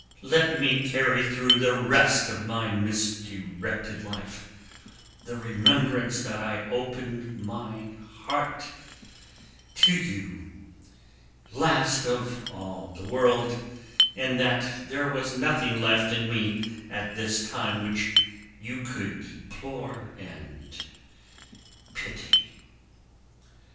Let me carry through the rest of my misdirected life, the remembrance that I opened my heart to you, last of all the world; and that there was something left in me at this time which you could deplore and pity."